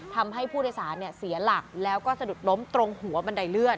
ทำให้ผู้โดยสารเสียหลักแล้วก็สะดุดล้มตรงหัวบันไดเลื่อน